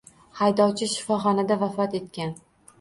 Haydovchi shifoxonada vafot etgan